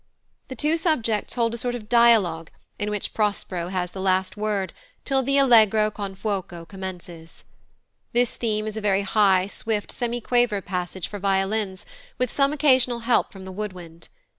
These two subjects hold a sort of dialogue in which Prospero has the last word till the Allegro con fuoco commences. This theme is a very high, swift, semiquaver passage for violins, with some occasional help from the wood wind.